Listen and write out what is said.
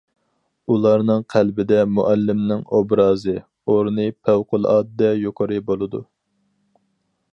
ئۇلارنىڭ قەلبىدە مۇئەللىمنىڭ ئوبرازى، ئورنى پەۋقۇلئاددە يۇقىرى بولىدۇ.